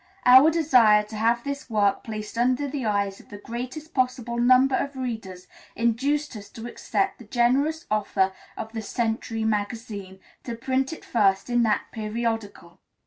Our desire to have this work placed under the eyes of the greatest possible number of readers induced us to accept the generous offer of "The Century Magazine" to print it first in that periodical.